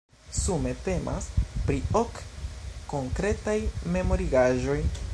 Sume temas pri ok konkretaj memorigaĵoj.